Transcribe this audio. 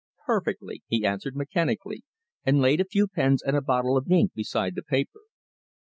"Perfectly," he answered mechanically, and laid a few pens and a bottle of ink beside the paper.